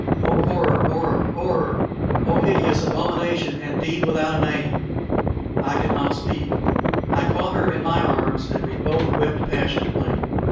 Oh, horror, horror, horror! Oh, hideous abomination and deed without a name! I could not speak. I caught her in my arms, and we both wept passionately.